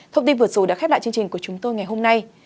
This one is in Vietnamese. thông tin vượt dù đã khép lại chương trình của chúng tôi ngày hôm nay